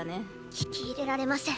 聞き入れられません。